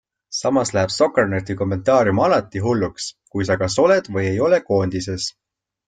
Samas läheb Soccerneti kommentaarium alati hulluks, kui sa kas oled või ei ole koondises.